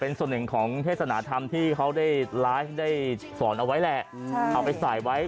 เป็นส่วนหนึ่งของเทศนาธรรมที่เขาได้ไลฟ์ได้สอนเอาไว้แหละเอาไปใส่ไว้